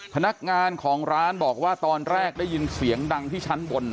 พนักงานของร้านบอกว่าตอนแรกได้ยินเสียงดังที่ชั้นบน